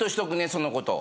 そのことを。